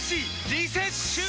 リセッシュー！